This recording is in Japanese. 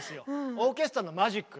オーケストラのマジック。